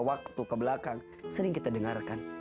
ada satu progres dewa yang sangat kebenaran